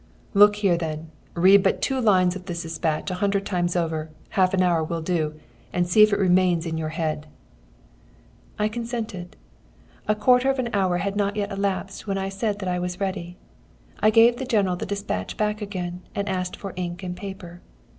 "'Look here, then! Read but two lines of this despatch a hundred times over, half an hour will do, and see if it remains in your head.' "I consented. A quarter of an hour had not yet elapsed when I said that I was ready. I gave the General the despatch back again, and asked for ink and paper.